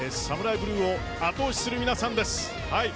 ブルーを後押しする皆さんです。